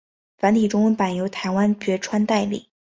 繁体中文版由台湾角川代理。